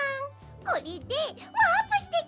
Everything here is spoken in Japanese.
これでワープしてきたの！